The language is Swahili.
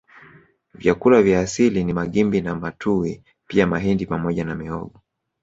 Vyakula vya asili ni magimbi na matuwi pia mahindi pamoja na mihogo